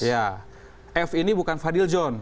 ya f ini bukan fadil john